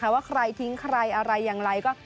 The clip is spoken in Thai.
ว่าใครทิ้งใครอะไรอย่างไรก็